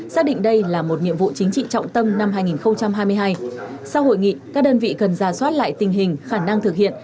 xác định đây là một nhiệm vụ chính trị trọng tâm năm hai nghìn hai mươi hai